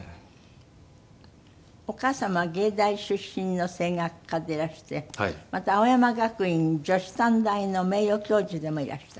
お母様は芸大出身の声楽家でいらしてまた青山学院女子短大の名誉教授でもいらした？